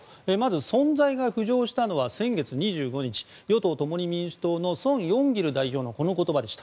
存在が浮上したのが先月２５日与党・共に民主党のソン・ヨンギル代表のこの言葉でした。